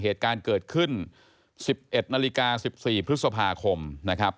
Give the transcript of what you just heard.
เหตุการณ์เกิดขึ้น๑๑นาฬิกา๑๔พฤษภาคมนะครับ